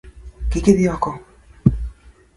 Kik idhi oko!